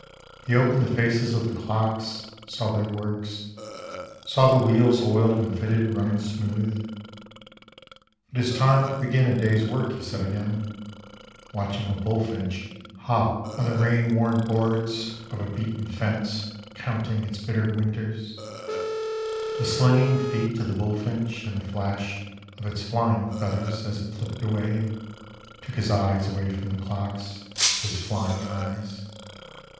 He opened the faces of the clocks, saw their works, Saw the wheels oiled and fitted, running smooth. " It is time to begin a day's work," he said again, Watching a bull finch hop on the rain worn boards Moon Riders 35 Of a beaten fence counting its bitter winters. The slinging feet of the bull finch and the flash Of its flying feathers as it flipped away Took his eyes away from the clocks, his flying eyes.